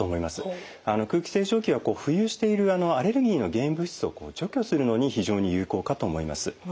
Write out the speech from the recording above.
空気清浄機は浮遊しているアレルギーの原因物質を除去するのに非常に有効かと思います。